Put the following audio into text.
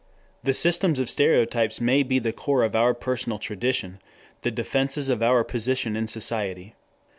The systems of stereotypes may be the core of our personal tradition, the defenses of our position in society.